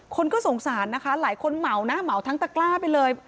คนก็สงสารนะคะหลายคนเหมานะเหมาทั้งตะกล้าไปเลย